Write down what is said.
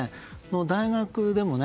大学でもね